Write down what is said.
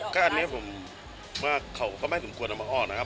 ก็อันนี้ผมว่าเขาก็ไม่สมควรเอามาออกนะครับ